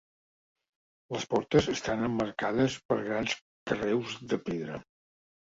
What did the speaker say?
Les portes estan emmarcades per grans carreus de pedra.